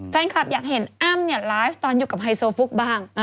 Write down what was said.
แฟนคลับอยากเห็นอ้ำเนี่ยไลฟ์ตอนอยู่กับไฮโซฟุกบ้าง